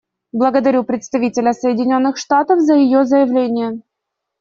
Благодарю представителя Соединенных Штатов за ее заявление.